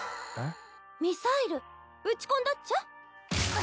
ミサイル撃ち込んだっちゃ。